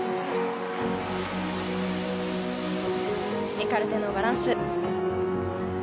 エカルテのバランス。